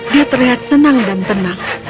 dia terlihat senang dan tenang